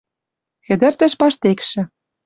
Хӹдӹртӹш паштекшӹ